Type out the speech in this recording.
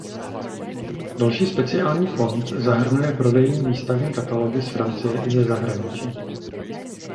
Další speciální fond zahrnuje prodejní výstavní katalogy z Francie i ze zahraničí.